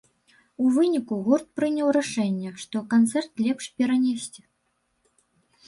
У выніку, гурт прыняў рашэнне, што канцэрт лепш перанесці.